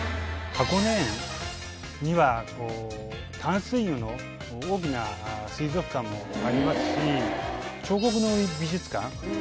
箱根園には淡水魚の大きな水族館もありますし彫刻の森美術館